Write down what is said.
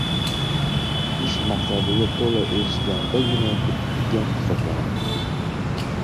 Ish maqsadga to‘la erishilgandagina bitgan hisoblanadi.